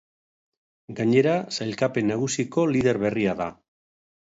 Gainera, sailkapen nagusiko lider berria da.